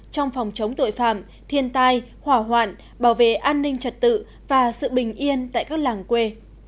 trong phòng chống tội phạm thiên tai hỏa hoạn bảo vệ an ninh trật tự và sự bình yên tại các làng quê